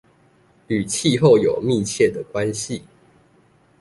與氣候有密切的關係